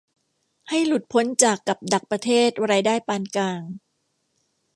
ให้หลุดพ้นจากกับดักประเทศรายได้ปานกลาง